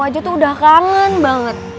aja tuh udah kangen banget